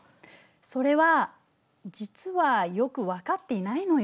それは実はよく分かっていないのよ。